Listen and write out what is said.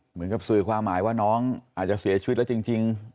เหมือนกับสื่อความหมายว่าน้องอาจจะเสียชีวิตแล้วจริง